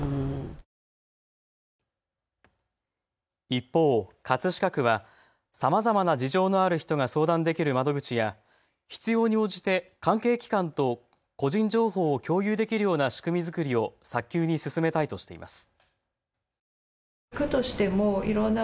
一方、葛飾区はさまざまな事情のある人が相談できる窓口や必要に応じて関係機関と個人情報を共有できるような仕組みづくりを早急に進めたいとしています。